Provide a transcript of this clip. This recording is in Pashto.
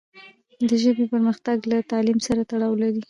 د ژبې پرمختګ له تعلیم سره تړاو لري.